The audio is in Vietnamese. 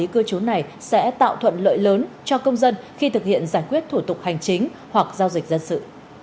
cư trú này sẽ tạo thuận lợi lớn cho công dân khi thực hiện giải quyết thủ tục hành chính hoặc giao dịch dân sự